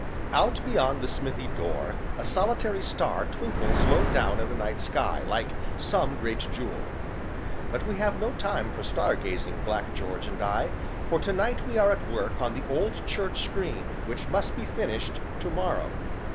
Out beyond the smithy door a solitary star twinkles low down in the night sky, like some great jewel; but we have no time for star gazing, Black George and I, for to night we are at work on the old church screen, which must be finished to morrow.